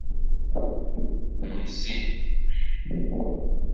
Mzi.